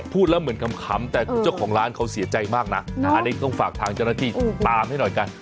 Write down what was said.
พูดแล้วเหมือนคำแต่เจ้าของร้านเขาเสียใจมากนะอันนี้ต้องฝากทางเจ้าหน้าที่ตามให้หน่อยกัน